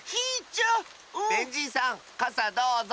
ベンじいさんかさどうぞ。